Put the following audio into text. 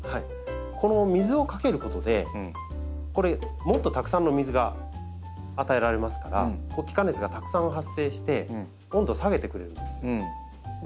この水をかけることでこれもっとたくさんの水が与えられますから気化熱がたくさん発生して温度を下げてくれるんです。